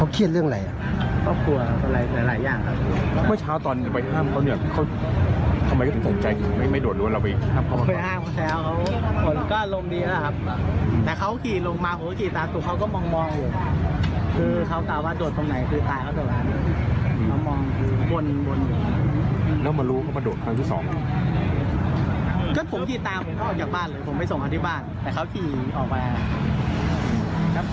ก็ขี่ตามผมออกจากบ้านเลยผมไปส่งเขาที่บ้านแต่เขาขี่ออกมาครับ